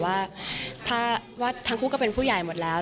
ว่าถ้าว่าทั้งคู่ก็เป็นผู้ใหญ่หมดแล้ว